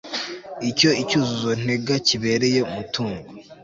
icyo icyuzuzo ntega kibereye umutungo